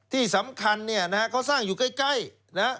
ที่สำคัญเขาสร้างอยู่ใกล้